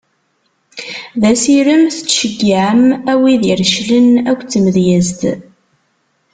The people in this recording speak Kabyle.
D asirem tettceyyiɛem a wid ireclen akked tmedyezt.